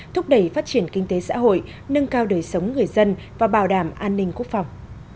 thúc đẩy phát triển kinh tế xã hội nâng cao đời sống người dân và bảo đảm an ninh quốc phòng